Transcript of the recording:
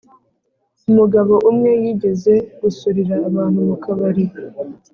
umugabo umwe yigeze gusurira abantu mu kabari,